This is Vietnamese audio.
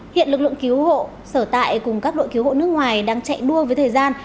hiện lực lượng cứu hộ sở tại cùng các đội cứu hộ nước ngoài đang chạy đua với thời gian